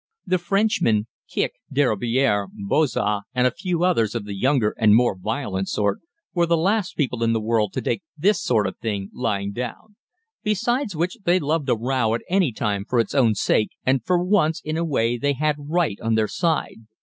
The Frenchmen Kicq, Derobiere, Bojah, and a few others of the younger and more violent sort were the last people in the world to take this sort of thing lying down; besides which they loved a row at any time for its own sake, and for once in a way they had right on their side.